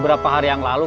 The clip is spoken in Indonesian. berapa hari yang lalu